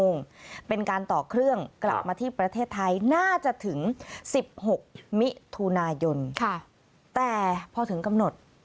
นี่มันก็เลยมาประมาณสักครึ่งเดือนได้แล้วกัน